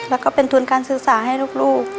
แล้วก็เป็นทุนการศึกษาให้ลูก